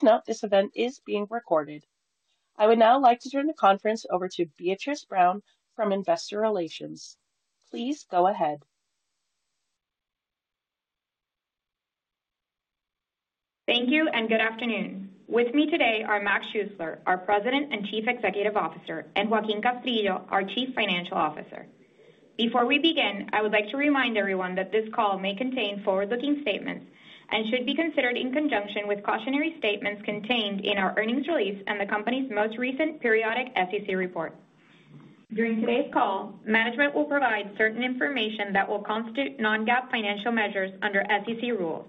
Please note this event is being recorded. I would now like to turn the conference over to Beatriz Brown-Sáenz from Investor Relations. Please go ahead. Thank you and good afternoon. With me today are Mac Schuessler, our President and Chief Executive Officer, and Joaquín Castrillo, our Chief Financial Officer. Before we begin, I would like to remind everyone that this call may contain forward-looking statements and should be considered in conjunction with cautionary statements contained in our earnings release and the Company's most recent periodic SEC report. During today's call, management will provide certain information that will constitute non-GAAP financial measures under SEC rules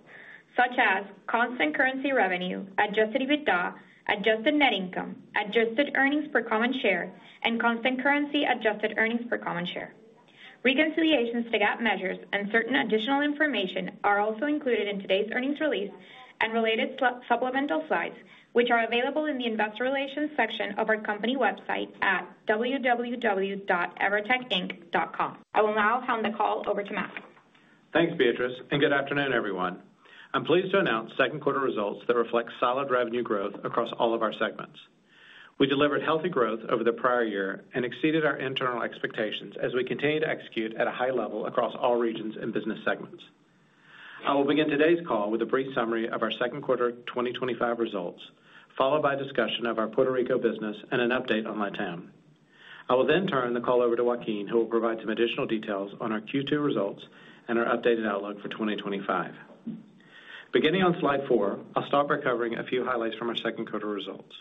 such as constant currency revenue, adjusted EBITDA, adjusted net income, adjusted earnings per common share, and constant currency adjusted earnings per common share. Regardless, reconciliations to GAAP measures and certain additional information are also included in today's earnings release and related supplemental slides, which are available in the Investor Relations section of our company website at www.evertecinc.com. I will now hand the call over Mac. Thanks Beatriz and good afternoon everyone. I'm pleased to announce second quarter results that reflect solid revenue growth across all of our segments. We delivered healthy growth over the prior year and exceeded our internal expectations as we continue to execute at a high level across all region business segments. I will begin today's call with a brief summary of our second quarter 2025 results followed by discussion of our Puerto Rico business and an update on Latin America. I will then turn the call over to Joaquín who will provide some additional details on our Q2 results and our updated outlook for 2025 beginning on Slide 4. I'll start by covering a few highlights from our second quarter results.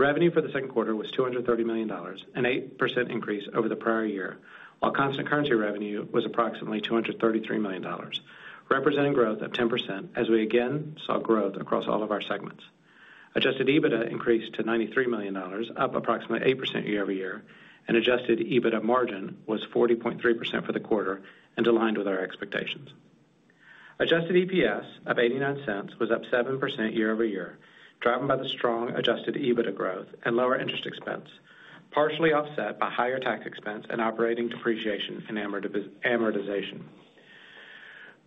Revenue for the second quarter was $230 million, an 8% increase over the prior year, while constant currency revenue was approximately $233 million representing growth of 10%. As we again saw growth across all of our segments, adjusted EBITDA increased to $93 million, up approximately 8% year over year and adjusted EBITDA margin was 40.3% for the quarter and aligned with our expectations. Adjusted EPS of $0.89 was up 7% year over year driven by the strong adjusted EBITDA growth and lower interest expense, partially offset by higher tax expense and operating depreciation and amortization.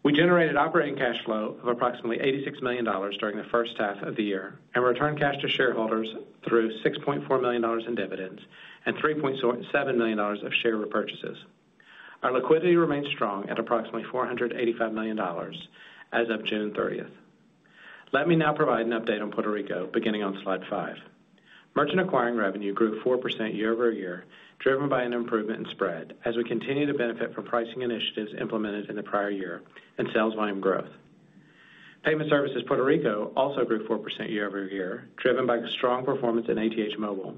We generated operating cash flow of approximately $86 million during the first half of the year and returned cash to shareholders through $6.4 million in dividends and $3.7 million of share repurchases. Our liquidity remains strong at approximately $485 million as of June 30. Let me now provide an update on Puerto Rico. Beginning on Slide 5, Merchant Acquiring revenue grew 4% year over year driven by an improvement in spread as we continue to benefit from repricing initiatives implemented in the prior year and sales volume growth. Payment Services Puerto Rico also grew 4% year over year driven by strong performance in ATH Móvil,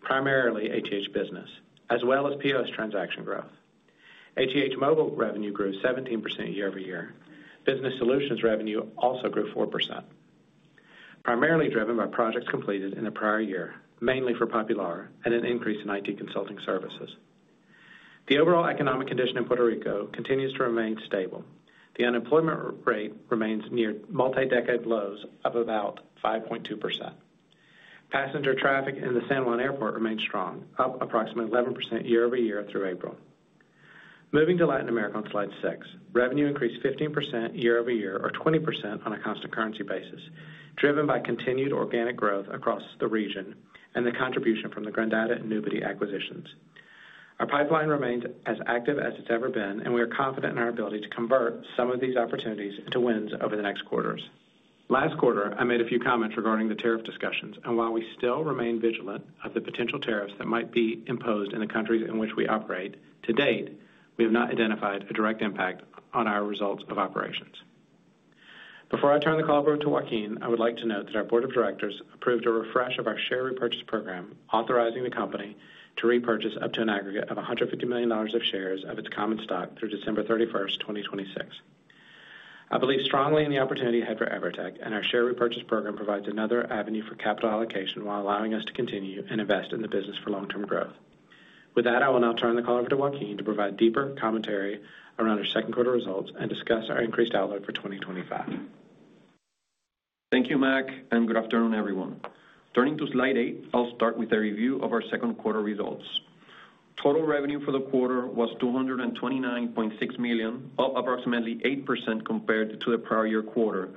primarily ATH Business as well as POS transaction growth. ATH Móvil revenue grew 17% year over year. Business Solutions revenue also grew 4%, primarily driven by projects completed in the prior year mainly for Popular and an increase in IT consulting services. The overall economic condition in Puerto Rico continues to remain stable. The unemployment rate remains near multi-decade lows of about 5.2%. Passenger traffic in the San Juan Airport remains strong, up approximately 11% year over year through April. Moving to Latin America on slide 6, revenue increased 15% year over year or 20% on a constant currency basis, driven by continued organic growth across the region and the contribution from the Grandata and Nubity acquisitions. Our pipeline remains as active as it's ever been, and we are confident in our ability to convert some of these opportunities into wins over the next quarters. Last quarter I made a few comments regarding the tariff discussions, and while we still remain vigilant of the potential tariffs that might be imposed in the countries in which we operate, to date we have not identified a direct impact on our results of operations. Before I turn the call over to Joaquín, I would like to note that our Board of Directors approved a refresh of our share repurchase program, authorizing the company to repurchase up to an aggregate of $150 million of shares of its common stock through December 31, 2026. I believe strongly in the opportunity ahead for Evertec, and our share repurchase program provides another avenue for capital allocation while allowing us to continue to invest in the business for long term growth. With that, I will now turn the call over to Joaquín to provide deeper commentary around our second quarter results and discuss our increased outlook for 2025. Thank you, Mac, and good afternoon, everyone. Turning to slide 8, I'll start with a review of our second quarter results. Total revenue for the quarter was $229.6 million, up approximately 8% compared to the prior year quarter,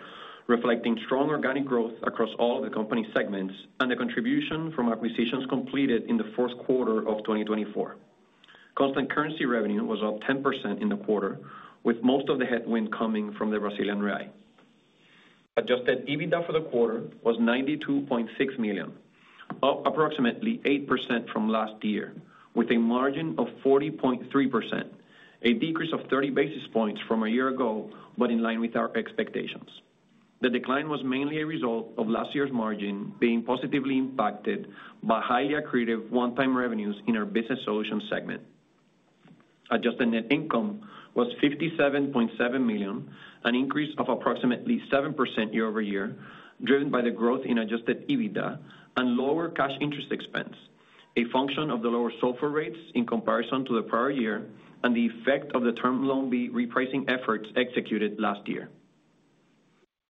reflecting strong organic growth across all of the company segments and the contribution from acquisitions completed in the fourth quarter of 2024. Constant currency revenue was up 10% in the quarter, with most of the headwind coming from the Brazilian real. Adjusted EBITDA for the quarter was $92.6 million, up approximately 8% from last year with a margin of 40.3%, a decrease of 30 basis points from a year ago. In line with our expectations, the decline was mainly a result of last year's margin being positively impacted by highly accretive one-time revenues. In our Business Solutions segment, adjusted net income was $57.7 million, an increase of approximately 7% year over year driven by the growth in adjusted EBITDA and lower cash interest expense, a function of the lower SOFR rates in comparison to the prior year and the effect of the term loan B repricing efforts executed last year.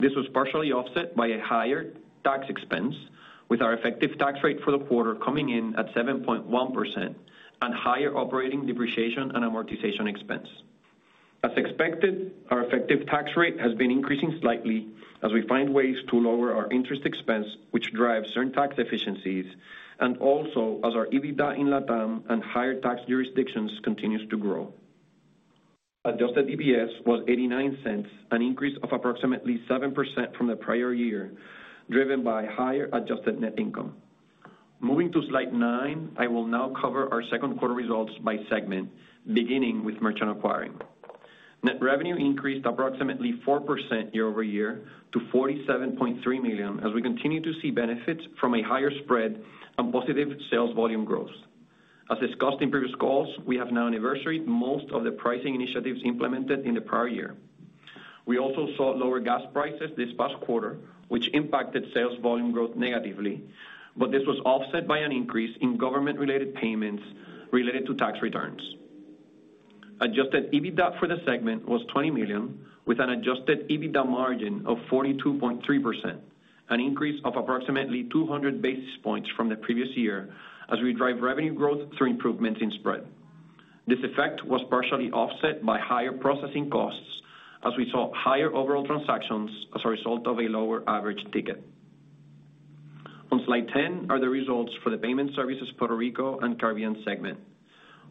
This was partially offset by a higher tax expense, with our effective tax rate for the quarter coming in at 7.1%, and higher operating depreciation and amortization expense. As expected, our effective tax rate has been increasing slightly as we find ways to lower our interest expense, which drives certain tax efficiencies, and also as our EBITDA in LATAM and higher tax jurisdictions continues to grow. Adjusted EPS was $0.89, an increase of approximately 7% from the prior year driven by higher adjusted net income. Moving to slide 9, I will now cover our second quarter results by segment, beginning with Merchant Acquiring. Net revenue increased approximately 4% year over year to $47.3 million as we continue to see benefits from a higher spread and positive sales volume growth. As discussed in previous calls, we have now anniversaried most of the pricing initiatives implemented in the prior year. We also saw lower gas prices this past quarter, which impacted sales volume growth negatively, but this was offset by an increase in government-related payments related to tax returns. Adjusted EBITDA for the segment was $20 million with an adjusted EBITDA margin of 42.3%, an increase of approximately 200 basis points from the previous year. As we drive revenue growth through improvements in spread, this effect was partially offset by higher processing costs as we saw higher overall transactions as a result of a lower average ticket. On slide 10 are the results for the Payment Services Puerto Rico and Caribbean segment.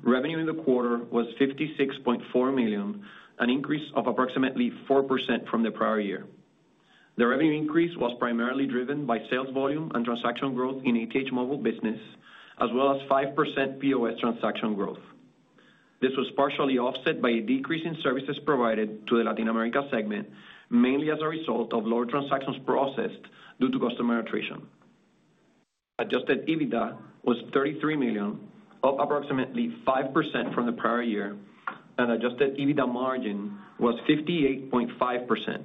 Revenue in the quarter was $56.4 million, an increase of approximately 4% from the prior year. The revenue increase was primarily driven by sales volume and transaction growth in ATH Móvil business as well as 5% POS transaction growth. This was partially offset by a decrease in services provided to the Latin America segment mainly as a result of lower transactions processed due to customer attrition. Adjusted EBITDA was $33 million, up approximately 5% from the prior year, and adjusted EBITDA margin was 58.5%,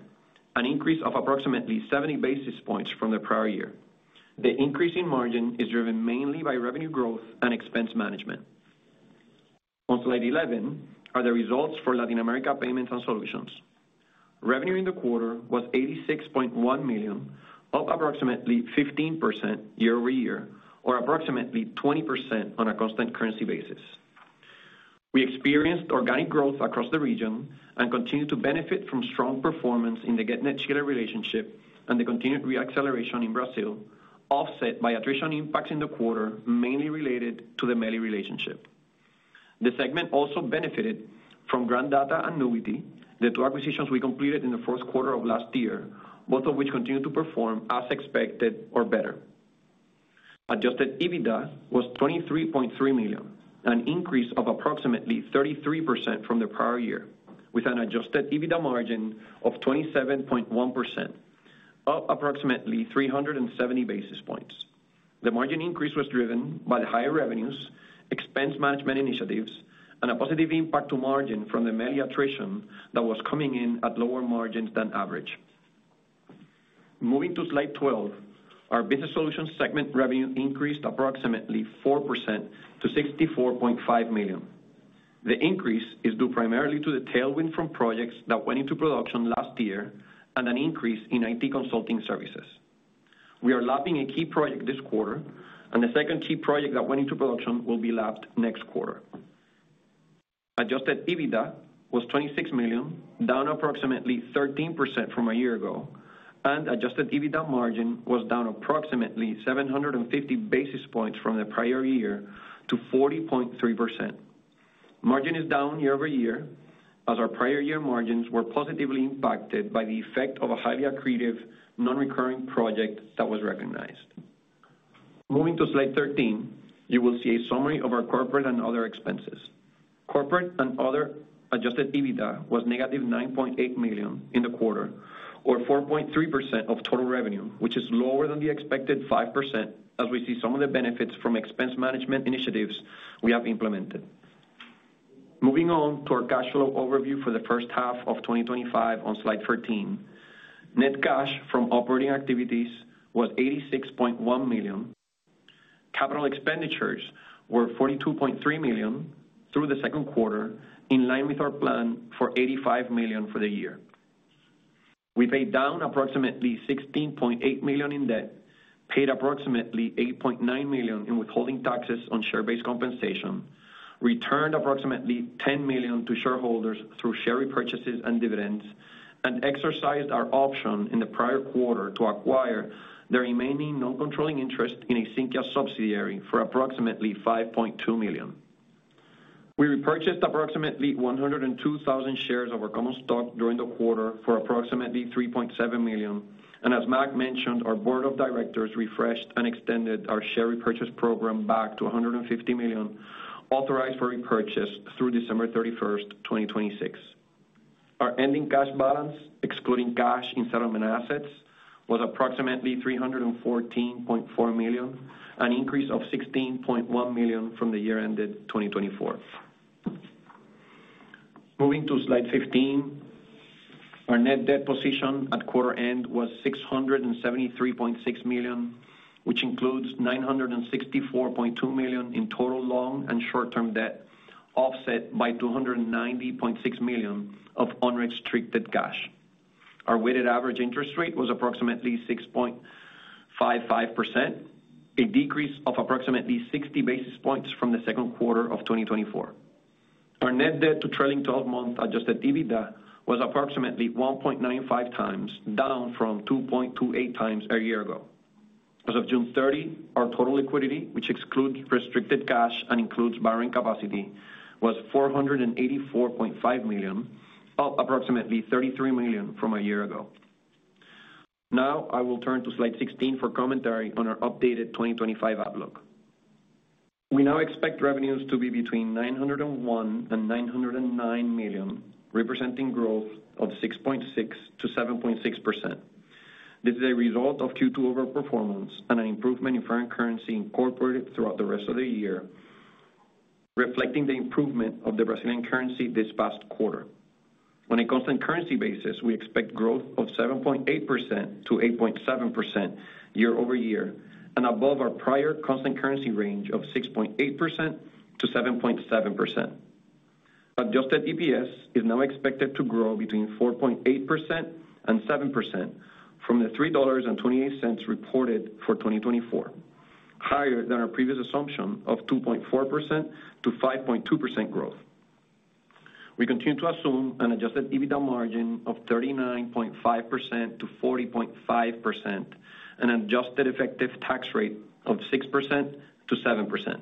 an increase of approximately 70 basis points from the prior year. The increase in margin is driven mainly by revenue growth and expense management. On slide 11 are the results for Latin America Payments and Solutions. Revenue in the quarter was $86.1 million, up approximately 15% year over year or approximately 20% on a constant currency basis. We experienced organic growth across the region and continued to benefit from strong performance in the GetNet Chile relationship and the continued reacceleration in Brazil, offset by attrition impacts in the quarter mainly related to the MELI relationship. The segment also benefited from Grandata and Nubity, the 2 acquisitions we completed in the fourth quarter of last year, both of which continued to perform as expected or better. Adjusted EBITDA was $23.3 million, an increase of approximately 33% from the prior year with an adjusted EBITDA margin of 27.1%, up approximately 370 basis points. The margin increase was driven by the higher revenues, expense management initiatives, and a positive impact to margin from the MELI attrition that was coming in at lower margins than average. Moving to slide 12, our Business Solutions segment revenue increased approximately 4% to $64.5 million. The increase is due primarily to the tailwind from projects that went into production last year and an increase in IT consulting services. We are lapping a key project this quarter and the second key project that went into production will be lapped next quarter. Adjusted EBITDA was $26 million, down approximately 13% from a year ago, and adjusted EBITDA margin was down approximately 750 basis points from the prior year to 40.3%. Margin is down year over year as our prior year margins were positively impacted by the effect of a highly accretive non-recurring project that was recognized. Moving to Slide 13, you will see a summary of our corporate and other expenses. Corporate and other adjusted EBITDA was negative $9.8 million in the quarter, or 4.3% of total revenue, which is lower than the expected 5% as we see some of the benefits from expense management initiatives we have implemented. Moving on to our cash flow overview for the first half of 2025 on Slide 13, net cash from operating activities was $86.1 million. Capital expenditures were $42.3 million through the second quarter, in line with our plan for $85 million. For the year, we paid down approximately $16.8 million in debt, paid approximately $8.9 million in withholding taxes on share-based compensation, returned approximately $10 million to shareholders through share repurchases and dividends, and exercised our option in the prior quarter to acquire the remaining non-controlling interest in a Sinqia subsidiary for approximately $5.2 million. We repurchased approximately 102,000 shares of our common stock during the quarter for approximately $3.7 million, and as Mac mentioned, our Board of Directors refreshed and extended our share repurchase program back to $150 million authorized for repurchase through December 31, 2026. Our ending cash balance, excluding cash in settlement assets, was approximately $314.4 million, an increase of $16.1 million from the year ended 2024. Moving to Slide 15, our net debt position at quarter end was $673.6 million, which includes $964.2 million in total long and short-term debt offset by $290.6 million of unrestricted cash. Our weighted average interest rate was approximately 6.55%, a decrease of approximately 60 basis points from the second quarter of 2024. Our net debt to trailing twelve month adjusted EBITDA was approximately 1.95 times, down from 2.28 times a year ago. As of June 30, our total liquidity, which excludes restricted cash and includes borrowing capacity, was $484.5 million, up approximately $33 million from a year ago. Now I will turn to Slide 16 for commentary on our updated 2025 outlook. We now expect revenues to be between $901 million and $909 million, representing growth of 6.6% to 7.6%. This is a result of Q2 overperformance and an improvement in foreign currency incorporated throughout the rest of the year, reflecting the improvement of the Brazilian currency this past quarter. On a constant currency basis, we expect growth of 7.8% to 8.7% year over year and above our prior constant currency range of 6.8% to 7.7%. Adjusted EPS is now expected to grow between 4.8% and 7% from the $3.28 reported for 2024, higher than our previous assumption of 2.4% to 5.2% growth. We continue to assume an adjusted EBITDA margin of 39.5% to 40.5% and adjusted effective tax rate of 6% to 7%.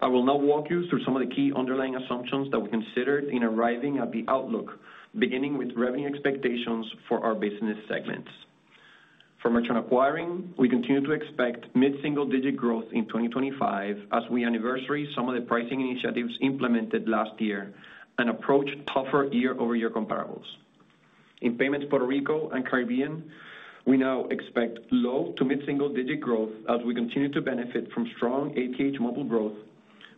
I will now walk you through some of the key underlying assumptions that we considered in arriving at the outlook, beginning with revenue expectations for our business segments for Merchant Acquiring. We continue to expect mid single digit growth in 2025 as we anniversary some of the repricing initiatives implemented last year and approach tougher year over year comparables in Payments Puerto Rico and Caribbean. We now expect low to mid single digit growth as we continue to benefit from strong ATH Móvil growth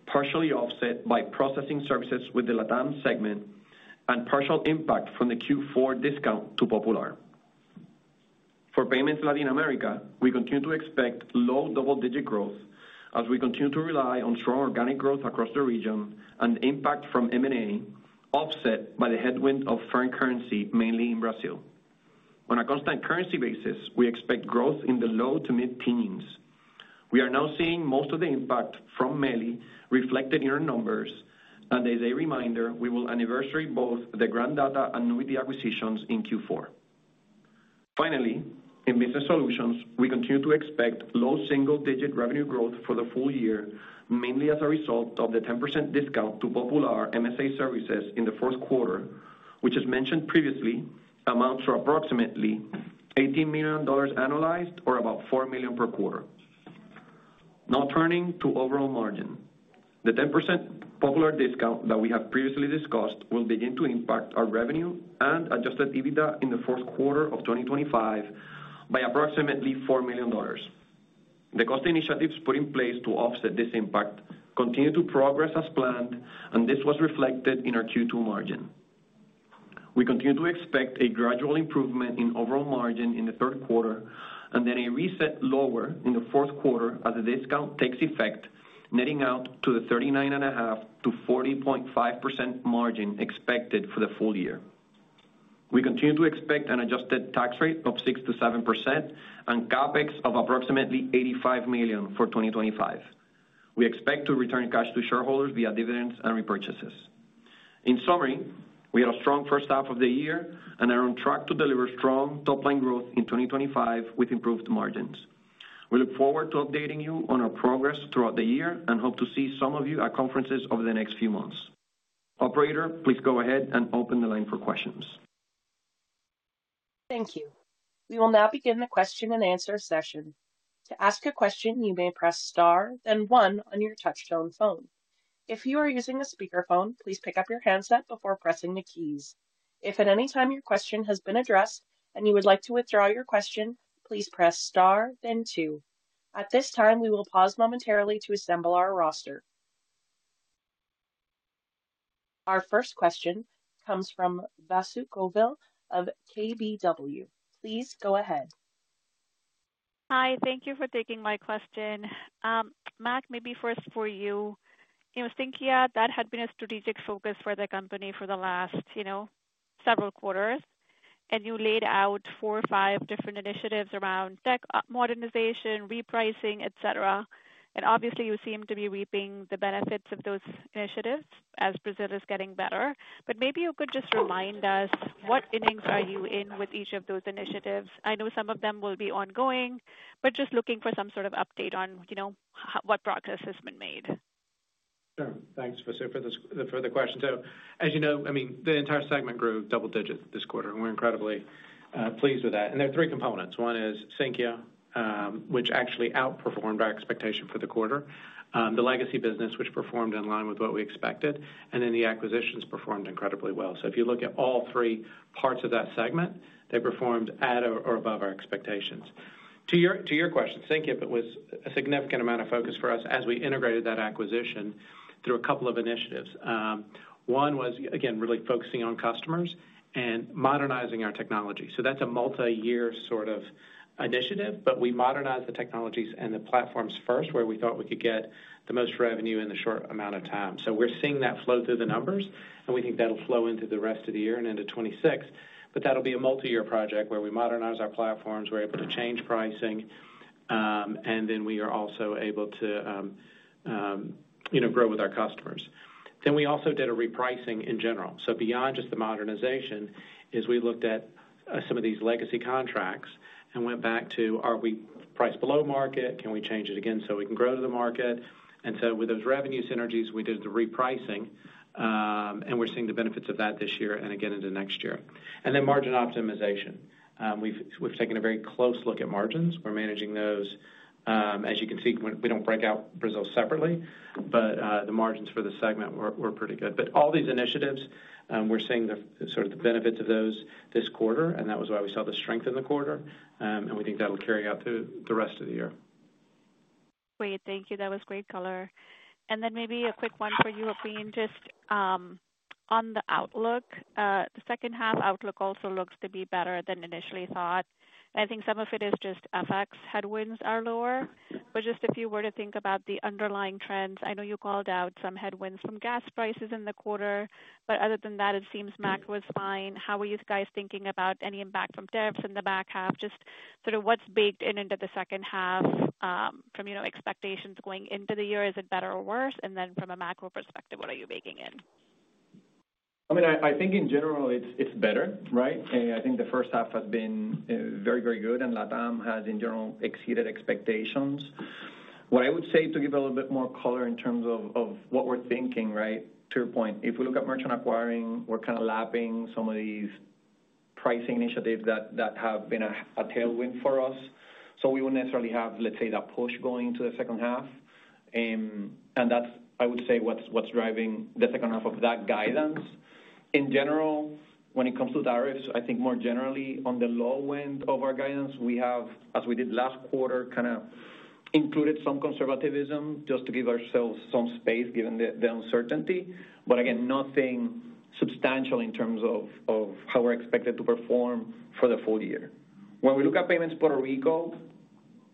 partially offset by processing services with the Latin America segment and partial impact from the Q4 discount to Popular. For Payments Latin America, we continue to expect low double digit growth as we continue to rely on strong organic expansion across the region and impact from M&A offset by the headwind of foreign currency mainly in Brazil. On a constant currency basis, we expect growth in the low to mid teens. We are now seeing most of the impact from MELI reflected in our numbers and as a reminder we will anniversary both the Grandata and Nubity acquisitions in Q4. Finally, in Business Solutions, we continue to expect low single digit revenue growth for the full year, mainly as a result of the 10% discount to Popular MSA services in the fourth quarter which as mentioned previously amounts to approximately $18 million annualized or about $4 million per quarter. Now turning to overall margin, the 10% Popular discount that we have previously discussed will begin to impact our revenue and adjusted EBITDA in the fourth quarter of 2025 by approximately $4 million. The cost initiatives put in place to offset this impact continue to progress as planned and this was reflected in our Q2 margin. We continue to expect a gradual improvement in overall margin in the third quarter and then a reset lower in the fourth quarter as the discount takes effect, netting out to the 39.5% to 40.5% margin expected for the full year. We continue to expect an adjusted tax rate of 6% to 7% and CapEx of approximately $85 million for 2025. We expect to return cash to shareholders via dividends and repurchases. In summary, we had a strong first half of the year and are on track to deliver strong top line growth in 2025 with improved margins. We look forward to updating you on our progress throughout the year and hope to see some of you at conferences over the next few months. Operator, please go ahead and open the line for questions. Thank you. We will now begin the question and answer session. To ask a question, you may press Star then one on your touchtone phone. If you are using a speakerphone, please pick up your handset before pressing the keys. If at any time your question has been addressed and you would like to withdraw your question, please press Star then two. At this time, we will pause momentarily to assemble our roster. Our first question comes from Vasu Govil of KBW. Please go ahead. Hi, thank you for taking my question. Mac, maybe first for you, Sinqia, key that had been a strategic focus for the company for the last several quarters, and you laid out four or five different initiatives around tech modernization, repricing, et cetera. Obviously, you seem to be reaping the benefits of those initiatives as Brazil is getting better. Maybe you could just remind us what innings are you in with each of those initiatives? I know some of them will be ongoing, just looking for some sort of update on what progress has been made. Sure, thanks for the question. As you know, the entire segment grew double digits this quarter and we're incredibly pleased with that. There are three components. One is Sinqia, which actually outperformed our expectation for the quarter. The legacy business performed in line with what we expected. The acquisitions performed incredibly. If you look at all three parts of that segment, they performed at or above our expectations. To your question, Sinqia was a significant amount of focus for us as we integrated that acquisition through a couple of initiatives. One was again really focusing on customers and modernizing our technology. That's a multi-year sort of initiative. We modernized the technologies and the platforms first where we thought we could get the most revenue in the short amount of time. We're seeing that flow through the numbers and we think that will flow into the rest of the year and into 2026. That will be a multi-year project where we modernize our platforms, we're able to change pricing, and then we are also able to grow with our customers. We also did a repricing in general. Beyond just the modernization, we looked at some of these legacy contracts and went back to are we priced below market, can we change it again so we can grow to the market. With those revenue synergies, we did the repricing and we're seeing the benefits of that this year and again into next year. Margin optimization, we've taken a very close look at margins. We're managing those. As you can see, we don't break out Brazil separately, but the margins for the segment were pretty good. All these initiatives, we're seeing the benefits of those this quarter. That was why we saw the strength in the quarter and we think that will carry out to the rest of the year. Great, thank you. That was great color. Maybe a quick one for you just on the outlook, the second half outlook also looks to be better than initially thought. I think some of it is just FX headwinds are lower. If you were to think about the underlying trends, I know you called out some headwinds from gas prices in the quarter. Other than that, it seems Mac was fine. How are you guys thinking about any impact from tariffs in the back half? Just sort of what's baked into the second half from expectations going into the year, is it better or worse? From a macro perspective, what are you baking in? I mean, I think in general it's better, right? I think the first half has been very, very good and Latin America has in general exceeded expectations. What I would say to give a little bit more color in terms of what we're thinking, right to your point, if we look at Merchant Acquiring, we're kind of lapping some of these repricing initiatives that have been a tailwind for us. We wouldn't necessarily have, let's say, that push going to the second half and that's, I would say, what's driving the second half of that guidance. In general, when it comes to tariffs, I think more generally on the low end of our guidance we have, as we did last quarter, kind of included some conservativism just to give ourselves some space given the uncertainty, but again, nothing substantial in terms of how we're expected to perform for the full year. When we look at payments Puerto Rico,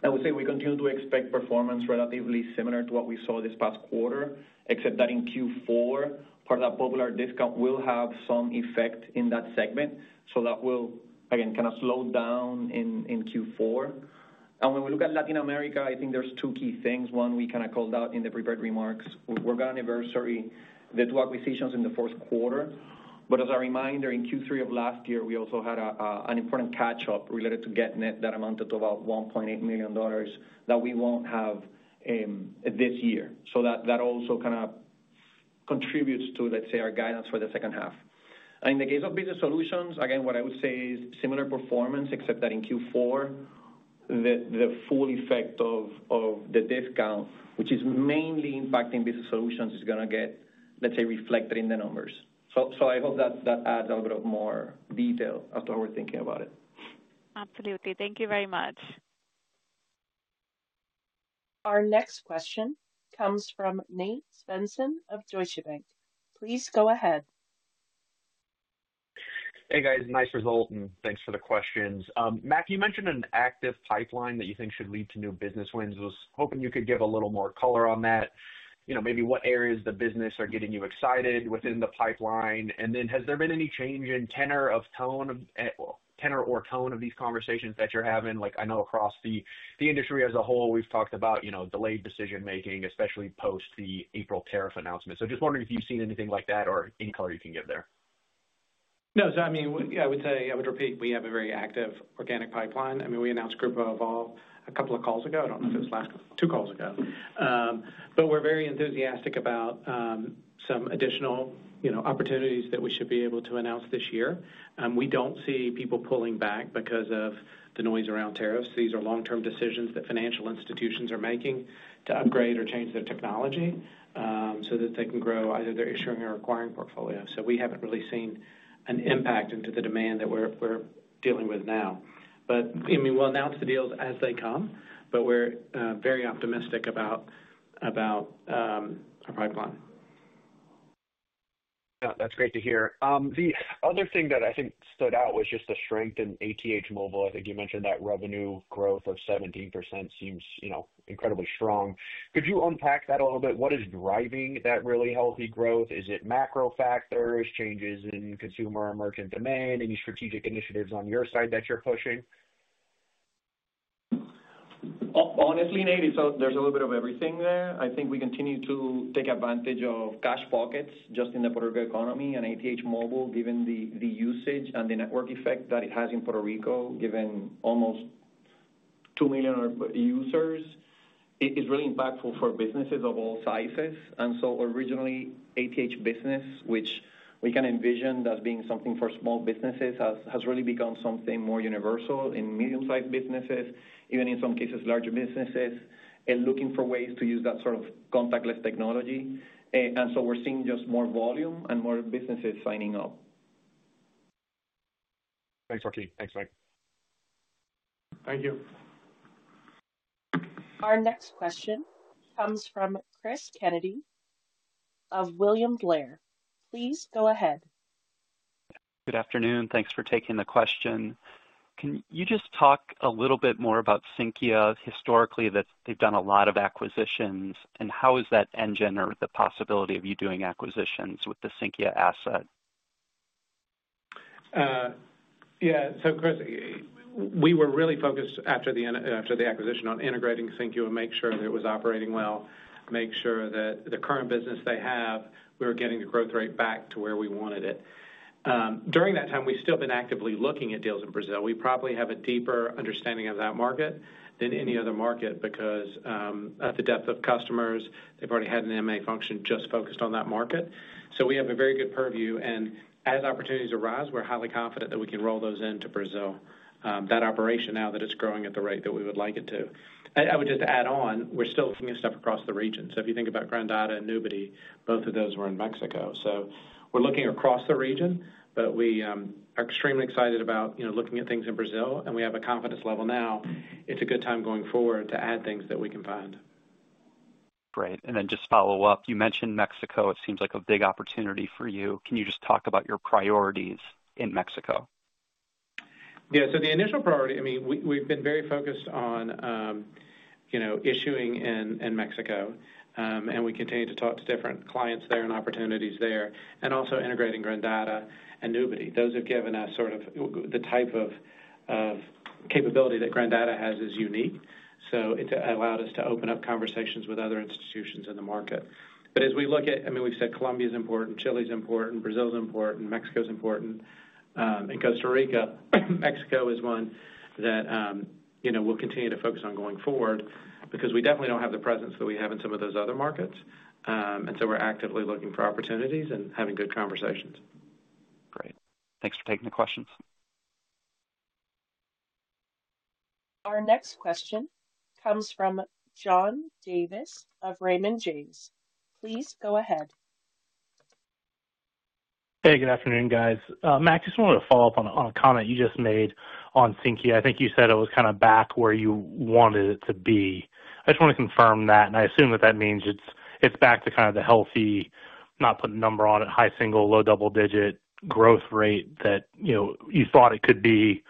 I would say we continue to expect performance relatively similar to what we saw this past quarter, except that in Q4, part of that Popular discount will have some effect in that segment. That will again kind of slow down in Q4. When we look at Latin America, I think there's two key things. One, we kind of called out in the prepared remarks. We're going to anniversary the two acquisitions in the fourth quarter. As a reminder, in Q3 of last year, we also had an important catch up related to GetNet Chile that amounted to about $1.8 million that we won't have this year. That also kind of contributes to, let's say, our guidance for the second half. In the case of Business Solutions, again, what I would say is similar performance except that in Q4, the full effect of the discounts, which is mainly impacting Business Solutions, is going to get, let's say, reflected in the numbers. I hope that adds a little bit more detail as to how we're thinking about it. Absolutely. Thank you very much. Our next question comes from Nate Svensson of Deutsche Bank. Please go ahead. Hey guys, nice result and thanks for the questions. Mac, you mentioned an active pipeline that you think should lead to new business wins. Was hoping you could give a little more color on that. Maybe what areas of the business are getting you excited within the pipeline. Has there been any change in tenor or tone of these conversations that you're having? I know across the industry as a whole, we've talked about delayed decision making, especially post the April tariff announcement. Just wondering if you've seen anything like that or any color you can give there. No. I would say, I would repeat, we have a very active organic pipeline. We announced Grupo Evolve a couple of calls ago. I don't know if it was last two calls ago. We're very enthusiastic about some additional opportunities that we should be able to announce this year. We don't see people pulling back because of the noise around tariffs. These are long-term decisions that financial institutions are making to upgrade or change their technology so that they can grow either their issuing or acquiring portfolio. We haven't really seen an impact into the demand that we're dealing with now, but we'll announce the deals as they come. We're very optimistic about our pipeline. That's great to hear. The other thing that I think stood out was just the strength in ATH Móvil. I think you mentioned that revenue growth of 17% seems incredibly strong. Could you unpack that a little bit? What is driving that really healthy growth? Is it macro factors, changes in consumer emergent demand? Any strategic initiatives on your side that you're pushing? Honestly, Nate, there's a little bit of everything there. I think we continue to take advantage of cash pockets just in the Puerto Rico economy. ATH Móvil, given the usage and the network effect that it has in Puerto Rico, given almost 2 million users, is really impactful for businesses of all sizes. Originally, ATH Business, which we can envision as being something for small businesses, has really become something more universal in medium-sized businesses, even in some cases larger businesses, and looking for ways to use that sort of contactless technology. We're seeing just more volume and more businesses signing up. Thanks, Joaquin. Thanks, Mac. Thank you. Our next question comes from Cris Kennedy of William Blair. Please go ahead. Good afternoon. Thanks for taking the question. Can you just talk a little bit more about Sinqia? Historically, they've done a lot of acquisitions, and how is that engine or the possibility of you doing acquisitions with the Sinqia asset? Yeah, so Cris, we were really focused after the acquisition on integrating Sinqia and making sure that it was operating well, making sure that the current business they have, we were getting the growth rate back to where we wanted it during that time. We've still been actively looking at deals in Brazil. We probably have a deeper understanding of that market than any other market because at the depth of customers, they've already had an M&A function just focused on that market. We have a very good purview, and as opportunities arise, we're highly confident that we can roll those into Brazil. That operation, now that it's growing at the rate that we would like it to, I would just add on, we're still looking at stuff across the region. If you think about Grandata and Nubity, both of those were in Mexico. We're looking across the region. We are extremely excited about looking at things in Brazil, and we have a confidence level now. It's a good time going forward to add things that we can find. Great. You mentioned Mexico. It seems like a big opportunity for you. Can you just talk about your priorities in Mexico? Yeah, the initial priority, I mean, we've been very focused on, you know, issuing in Mexico and we continue to talk to different clients there and opportunities there and also integrating Grandata and Nubity. Those have given us sort of the type of capability that Grandata has, which is unique. It allowed us to open up conversations with other institutions in the market. As we look at it, I mean, we've said Colombia is important, Chile's important, Brazil's important, Mexico's important, and Costa Rica. Mexico is one that we'll continue to focus on going forward because we definitely don't have the presence that we have in some of those other markets. We're actively looking for opportunities and having good conversations. Great. Thanks for taking the questions. Our next question comes from John Davis of Raymond James. Please go ahead. Hey, good afternoon, guys. Mac, just wanted to follow up on a comment you just made on Sinqia. I think you said it was kind of back where you wanted it to be. I just want to confirm that and I assume that that means it's back to kind of the healthy, not putting number on it, high single, low double digit growth rate that, you know, you thought it could be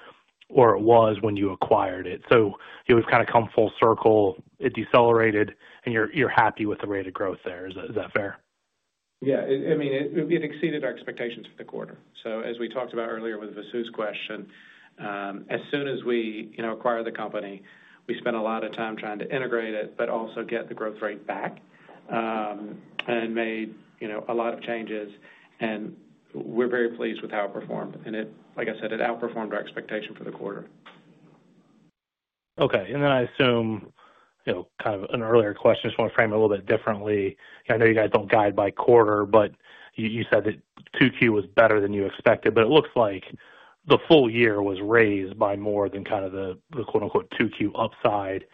or it was when you acquired it. We've kind of come full circle. It decelerated and you're happy with. The rate of growth there, is that fair? Yes. I mean, it exceeded our expectations for the quarter. As we talked about earlier with Vasu's question, as soon as we acquire the company, we spent a lot of time trying to integrate it, but also get the growth rate back and made a lot of changes. We're very pleased with how it performed. Like I said, it outperformed our expectation for the quarter. Okay. I assume, you know, kind of an earlier question, just want to frame a little bit differently. I know you guys don't guide by quarter, but you said that 2Q was better than you expected, but it looks like the full year was raised by more than kind of the "2Q upside."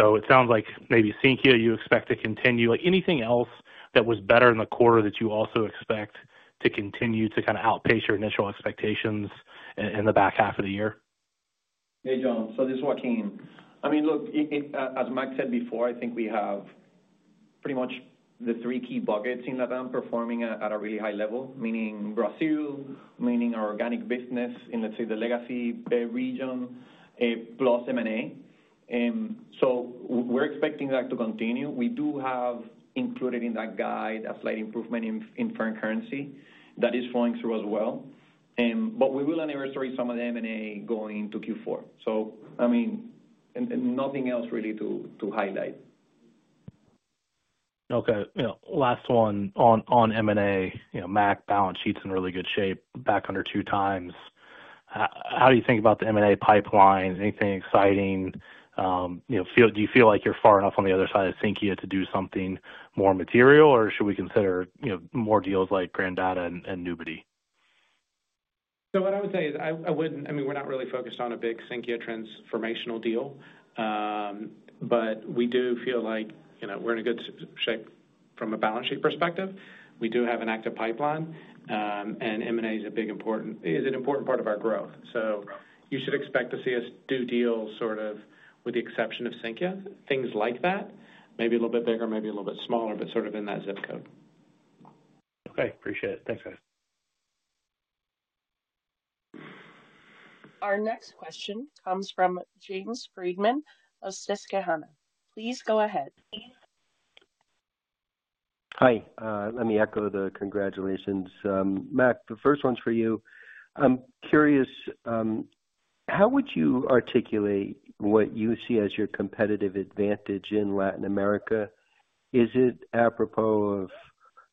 It sounds like maybe, Sinqia, you expect to continue. Like anything else that was better in the quarter that you also expect to continue to kind of outpace your initial expectations in the back half of the year. Hey, John. This is Joaquín. I mean, look, as Mac said before, I think we have pretty much the three key buckets in Latin America performing at a really high level, meaning Brazil, meaning our organic business in, let's say, the legacy base region, plus M&A. We're expecting that to continue. We do have included in that guide a slight improvement in foreign currency that is flowing through as well. We will anniversary some of the M&A going into Q4. Nothing else really to highlight. Okay, last one on M&A. Mac, balance sheet's in really good shape. Back under two times. How do you think about the M&A pipeline? Anything exciting? Do you feel like you're far enough on the other side of Sinqia to do something more material, or should we consider more deals like Grandata and Nubity? I wouldn't. I mean, we're not really focused on a big Sinqia transformational deal, but we do feel like, you know, we're in good shape from a balance sheet perspective. We do have an active pipeline, and M&A is an important part of our growth. You should expect to see us do deals, with the exception of Sinqia, things like that. Maybe a little bit bigger, maybe a little bit smaller, but sort of in that zip code. Okay, appreciate it. Thanks, guys. Our next question comes from James Friedman of Susquehanna. Please go ahead. Hi. Let me echo the congratulations, Mac. The first one's for you. I'm curious, how would you articulate what you see as your competitive advantage in Latin America? Is it apropos of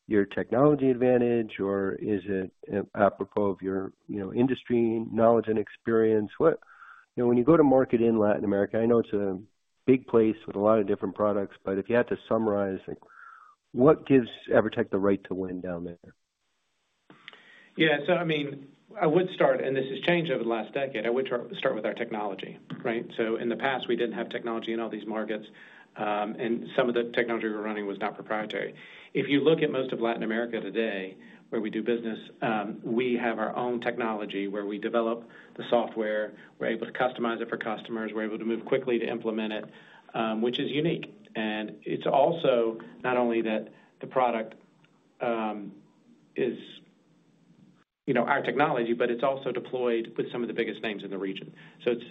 your technology advantage or is it apropos of your industry knowledge and experience when you go to market in Latin America? I know it's a big place with a lot of different products, but if you had to summarize, what gives Evertec the right to win down there? Yeah. I would start, and this has changed over the last decade. I would start with our technology. In the past, we didn't have technology in all these markets, and some of the technology we were running was not proprietary. If you look at most of Latin America today, where we do business, we have our own technology where we develop the software, we're able to customize it for customers, we're able to move quickly to implement it, which is unique. It's also not only that. Product. It's our technology, but it's also deployed with some of the biggest names in the region. It's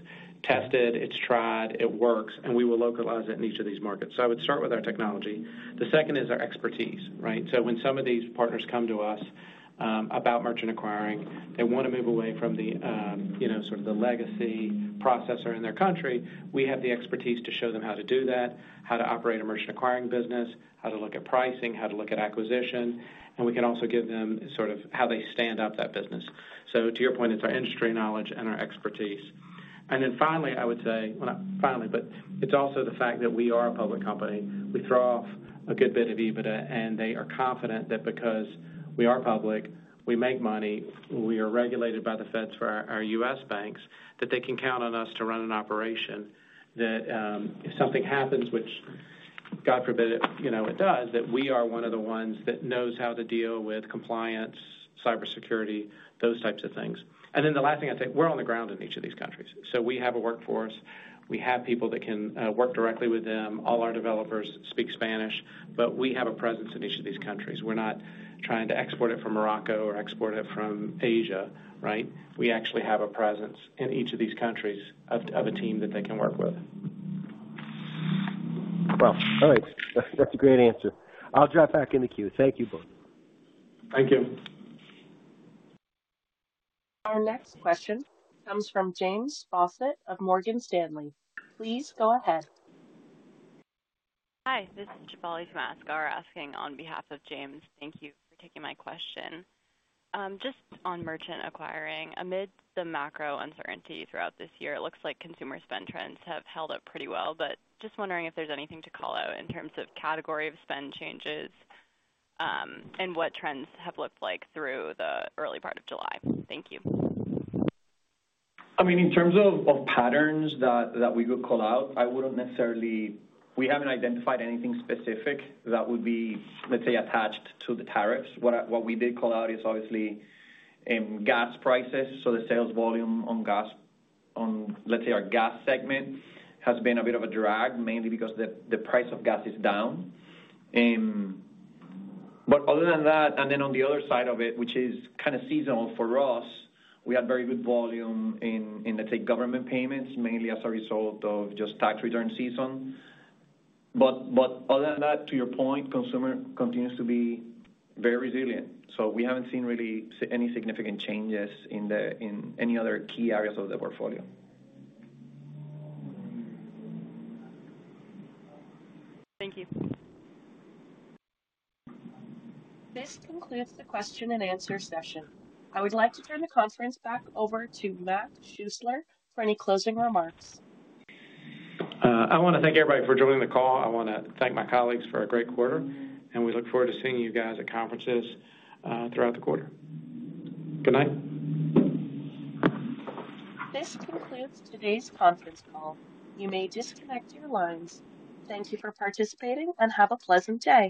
tested, it's tried, it works, and we will localize it in each of these markets. I would start with our technology. The second is our expertise. When some of these partners come to us about merchant acquiring, they want to move away from the legacy processor in their country. We have the expertise to show them how to do that, how to operate a merchant acquiring business, how to look at pricing, how to look at acquisition. We can also give them how they stand up that business. To your point, it's our industry knowledge and our expertise. I would say it's also the fact that we are a public company. We throw off a good bit of EBITDA, and they are confident that because we are public, we make money, we are regulated by the feds for our U.S. banks, that they can count on us to run an operation that if something happens, which God forbid it does, we are one of the ones that knows how to deal with compliance, cybersecurity, those types of things. The last thing I'd say, we're on the ground in each of these countries, so we have a workforce, we have people that can work directly with them. All our developers speak Spanish, but we have a presence in each of these countries. We're not trying to export it from Morocco or export it from Asia. Right. We actually have a presence in each of these countries, of a team that they can work with. All right, that's a great answer. I'll drop back in the queue. Thank you both. Thank you. Our next question comes from James Fawcett of Morgan Stanley. Please go ahead. Hi, this is [Joy Tomaskar] asking on behalf of James. Thank you for taking my question. Just on Merchant Acquiring. Amid the macro uncertainty throughout this year, it looks like consumer spend trends have held up pretty well. I am just wondering if there's anything to call out in terms of category of spend changes and what trends have looked like through the early part of July. I mean, in terms of patterns that we would call out, I wouldn't necessarily say we haven't identified anything specific that would be, let's say, attached to the tariffs. What we did call out is obviously gas prices. The sales volume on gas, on let's say our gas segment, has been a bit of a drag, mainly because the price of gas is down. Other than that, on the other side of it, which is kind of seasonal for us, we had very good volume in, let's say, government payments, mainly as a result of just tax return season. Other than that, to your point, consumer continues to be very resilient. We haven't seen really any significant changes in any other key areas of the portfolio. Thank you. This concludes the question and answer session. I would like to turn the conference back over to Mac Schuessler for any closing remarks. I want to thank everybody for joining the call. I want to thank my colleagues for a great quarter, and we look forward to seeing you guys at conferences throughout the quarter. Good night. This concludes today's conference call. You may disconnect your lines. Thank you for participating and have a pleasant day.